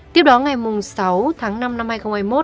tiếp đó ngày sáu tháng năm năm hai nghìn hai mươi một